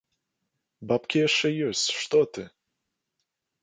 Бабкі яшчэ ёсць, што ты!